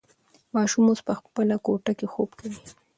ماشوم اوس په خپله کوټه کې خوب کوي.